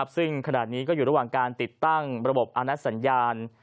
ซึ่งขณะนี้ก็อยู่ระหว่างการติดตั้งระบบอาณัสสัญญาณ